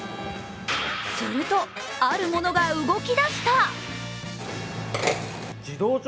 すると、あるものが動き出した。